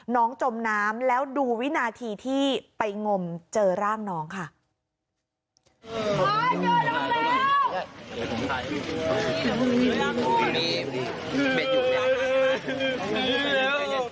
คือบ้านที่กำลังไม่ใช่ภายในน้องลูก